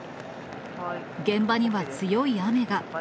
現場には強い雨が。